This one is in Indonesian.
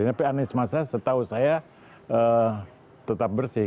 tapi anies masa setahu saya tetap bersih